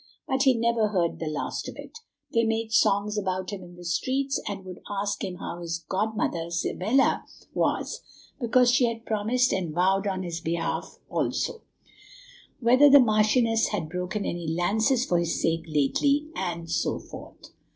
But he never heard the last of it. They made songs about him in the streets, and would ask him how his godmother, Isabella, was, because she had promised and vowed on his behalf; also, whether the marchioness had broken any lances for his sake lately, and so forth."